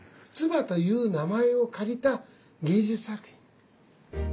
鐔という名前を借りた芸術作品。